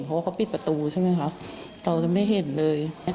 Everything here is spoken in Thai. เพราะว่าเขาปิดประตูใช่ไหมคะเราจะไม่เห็นเลย